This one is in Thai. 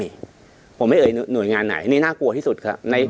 ไม่จบหนี้สัตว์ก็มีผมไม่เอ่ยหน่วยงานไหนนี่น่ากลัวที่สุดครับ